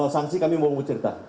sangsi kami mau cerita